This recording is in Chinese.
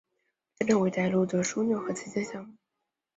也将成为一带一路的枢纽和旗舰项目。